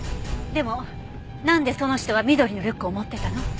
でもなんでその人は緑のリュックを持ってたの？